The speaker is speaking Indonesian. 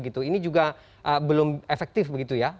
ini juga belum efektif begitu ya